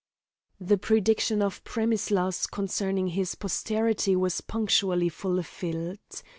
The prediction of Premislas concerning his posterity was punctually fulfilled.